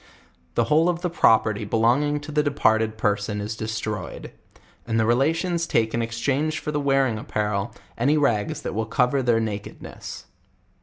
The whole of the property belonging to the departed person is destroyed; and the relations take in exchange for the wearing apparel, any rags that will cover their nakedness.